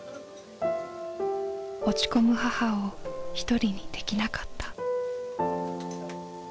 落ち込む母を一人にできなかった。